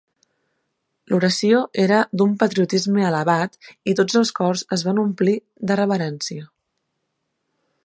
L'oració era d'un patriotisme elevat i tots els cors es van omplir de reverència.